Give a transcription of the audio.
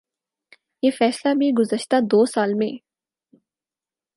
یہ فیصلہ بھی گزشتہ دو سال میں